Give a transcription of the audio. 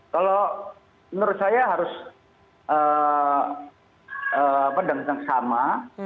kalau menurut saya harus yang sama